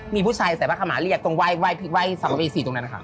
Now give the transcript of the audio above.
มีผู้ชายใส่วัคมะเรียกตรงไว้สังวิสีตรงนั้นค่ะ